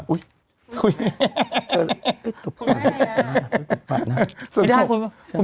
อุ๊ยแต่ตบปากน่ะ